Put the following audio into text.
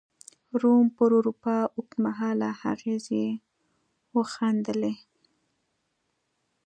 روم پر اروپا اوږد مهاله اغېزې وښندلې.